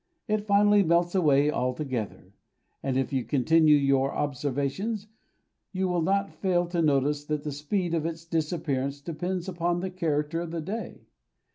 It finally melts away altogether; and if you continue your observations, you will not fail to notice that the speed of its disappearance depends upon the character of the day.